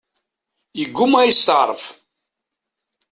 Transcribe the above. Yegguma ad yesteɛref.